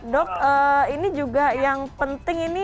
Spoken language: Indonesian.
dok ini juga yang penting ini